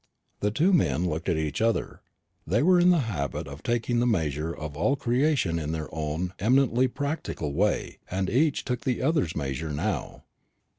The two men looked at each other. They were in the habit of taking the measure of all creation in their own eminently practical way, and each took the other's measure now.